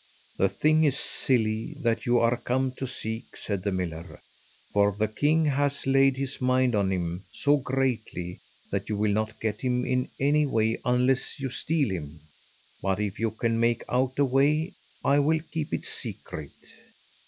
"The thing is silly that you are come to seek," said the miller; "for the king has laid his mind on him so greatly that you will not get him in any way unless you steal him; but if you can make out a way, I will keep it secret."